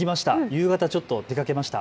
夕方ちょっと出かけました。